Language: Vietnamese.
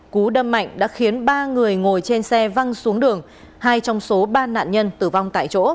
cú đâm mạnh đã khiến ba người ngồi trên xe văng xuống đường hai trong số ba nạn nhân tử vong tại chỗ